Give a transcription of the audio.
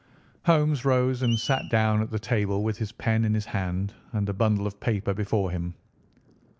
Holmes rose and sat down at the table with his pen in his hand and a bundle of paper before him.